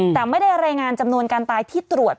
แต่ไม่ได้รายงานจำนวนการตายที่ตรวจ